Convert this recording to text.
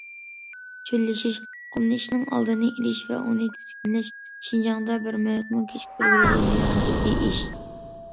چۆللىشىش، قۇملىشىشنىڭ ئالدىنى ئېلىش ۋە ئۇنى تىزگىنلەش شىنجاڭدا بىر مىنۇتمۇ كېچىكتۈرگىلى بولمايدىغان جىددىي ئىش.